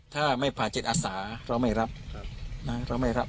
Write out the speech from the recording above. ถ้าไม่ผ่าจิตอาสาเราไม่รับ